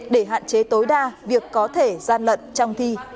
để hạn chế tối đa việc có thể gian lận trong thi